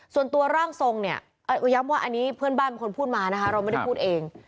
ส่วนตัวร่างทรงเนี่ยย้ำว่าอันนี้เพื่อนบ้านเป็นคนพูดมานะคะเราไม่ได้พูดเอง